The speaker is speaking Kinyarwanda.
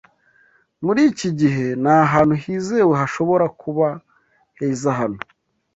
Muri iki gihe, ntahantu hizewe hashobora kuba heza hano.